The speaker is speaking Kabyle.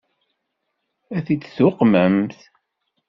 Ad t-id-tuqmemt?